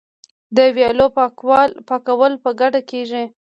د ویالو پاکول په ګډه کیږي.